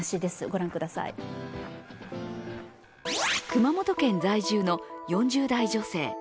熊本県在住の４０代女性。